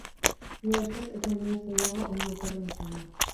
Nire ustez, ez zen inoiz gehiago ongi etorria izango.